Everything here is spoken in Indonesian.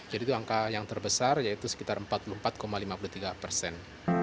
itu angka yang terbesar yaitu sekitar empat puluh empat lima puluh tiga persen